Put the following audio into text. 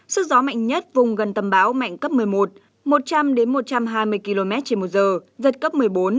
sức gió mạnh nhất vùng gần tâm bão mạnh cấp một mươi một một trăm linh một trăm hai mươi kmh giật cấp một mươi bốn